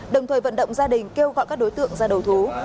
đồng thời vận động gia đình kêu gọi các đối tượng ra đầu thú